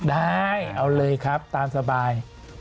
ได้เอาเลยครับตามสบาย